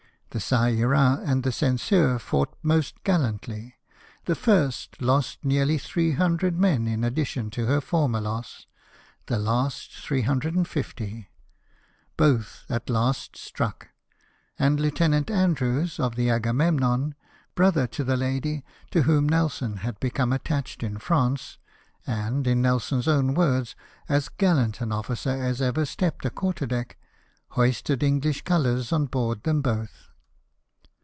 The (^a Ira and the Censeur fought most gallantly : the first lost nearly 300 men, in addition to her former loss ; the last, 350. Both at last struck ; and Lieutenant Andrews, of the Aga memnon, brother to the lady to whom Nelson had become attached in France, and, in Nelson's OAvn words, "as gallant an officer as ever stepped a quarter deck," hoisted English colours on board them both.